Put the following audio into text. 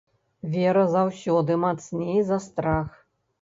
Вера заўсёды мацней за страх.